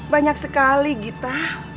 banyak sekali gita